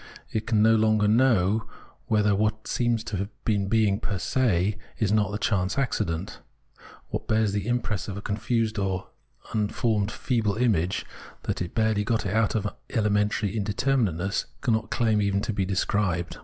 It can no longer know whether what seems to have being per se is not a chance accident. What bears the impress of a confused or unformed feeble image, that has barely got out of elementary indeter minateness, cannot claim even to be described.